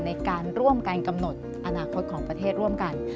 ในการร่วมกันกำหนดอนาคตของประเทศร่วมกัน